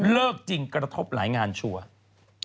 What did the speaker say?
จริงกระทบหลายงานชัวร์